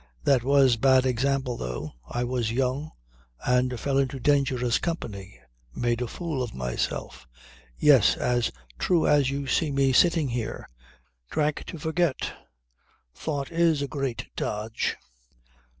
"That was bad example though. I was young and fell into dangerous company, made a fool of myself yes, as true as you see me sitting here. Drank to forget. Thought it a great dodge."